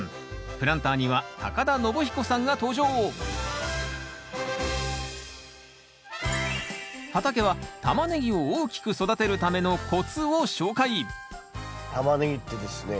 プランターには田延彦さんが登場畑はタマネギを大きく育てるためのコツを紹介タマネギってですね